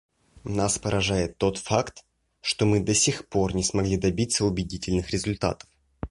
Нас поражает тот факт, что мы до сих пор не смогли добиться убедительных результатов.